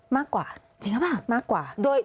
มากกว่าจริงหรือเปล่ามากกว่าจริงหรือเปล่า